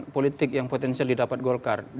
politik yang potensial didapat golkar